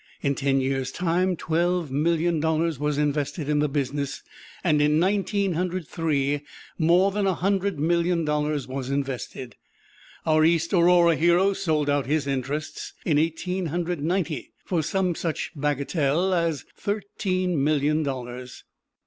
In ten years' time twelve million dollars was invested in the business; and in Nineteen Hundred Three more than a hundred million dollars was invested. Our East Aurora hero sold out his interests, in Eighteen Hundred Ninety, for some such bagatelle as thirteen million dollars.